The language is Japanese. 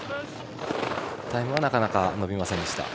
タイムは、なかなか伸びません。